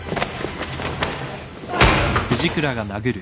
あっ。